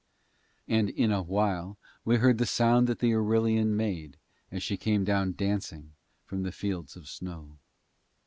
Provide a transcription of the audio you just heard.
And in a while we heard the sound that the Irillion made as she came down dancing from the fields of snow.